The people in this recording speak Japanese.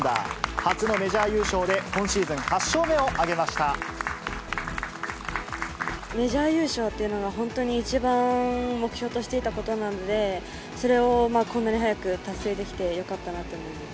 初のメジャー優勝で、メジャー優勝というのが、本当に一番目標としていたことなので、それをこんなに早く達成できてよかったなと思います。